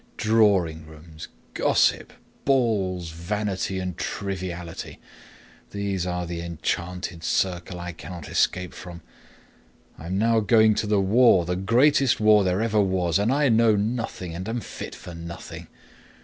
Drawing rooms, gossip, balls, vanity, and triviality—these are the enchanted circle I cannot escape from. I am now going to the war, the greatest war there ever was, and I know nothing and am fit for nothing.